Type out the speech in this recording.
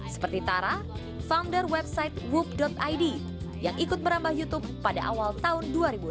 seperti tara founder website woop id yang ikut merambah youtube pada awal tahun dua ribu enam belas